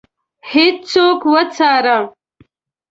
هیڅوک وڅاره.